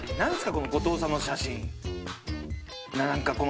この後藤さんの写真。